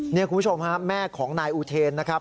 นี่คุณผู้ชมฮะแม่ของนายอูเทนนะครับ